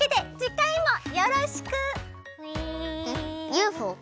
ＵＦＯ？